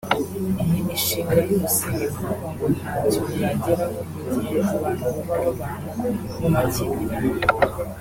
Iyi mishinga yose ikorwa ngo ntacyo yageraho mu gihe abantu baba babana mu makimbirane